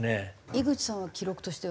井口さんは記録としては？